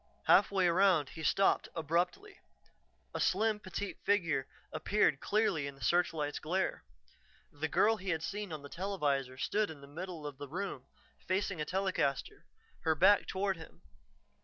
Halfway around, he stopped abruptly; a slim, petite figure appeared clearly in the searchlight's glare. The girl he had seen on the televisor stood in the middle of the room, facing a telecaster, her back toward him.